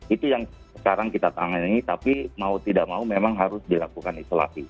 itu yang sekarang kita tangani tapi mau tidak mau memang harus dilakukan isolasi